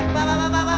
kita mau tawuran pak